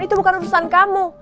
itu bukan urusan kamu